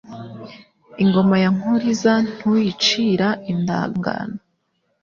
Ingoma ya Nkuriza Ntuyicira indagano.